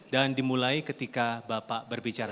dan dimulai ketika bapak berbicara